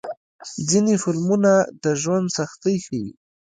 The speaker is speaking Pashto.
ځینې فلمونه د ژوند سختۍ ښيي.